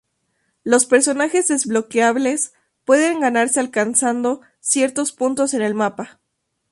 Los personajes desbloqueables pueden ganarse alcanzando ciertos puntos en el mapa.